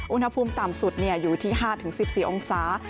อุณหภูมิต่ำสุดอยู่ที่๕๑๔องศา